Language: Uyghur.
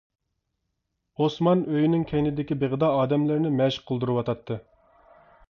ئوسمان ئۆيىنىڭ كەينىدىكى بېغىدا ئادەملىرىنى مەشىق قىلدۇرۇۋاتاتتى.